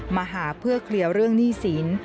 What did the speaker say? มาหาเพื่อเคลียร์เรื่องหนี้สิน